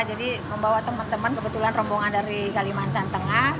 jadi membawa teman teman kebetulan rombongan dari kalimantan tengah